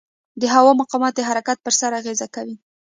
د هوا مقاومت د حرکت پر سرعت اغېز کوي.